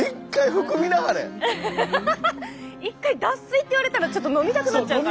１回脱水って言われたらちょっと飲みたくなっちゃうから。